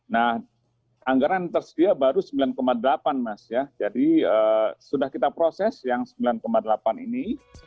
nah anggaran yang tersedia baru sembilan delapan mas ya jadi sudah kita proses yang sembilan delapan ini